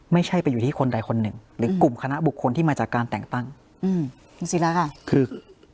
ไม่ใช่ไปอยู่ที่คนใดคนหนึ่งหรือกลุ่มคณะบุคคลที่มาจากการแต่งตั้งอืมจริงจริงแล้วค่ะคือ